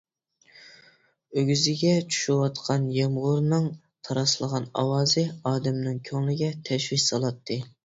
ئۆگزىگە چۈشۈۋاتقان يامغۇرنىڭ تاراسلىغان ئاۋازى ئادەمنىڭ كۆڭلىگە تەشۋىش سالاتتى.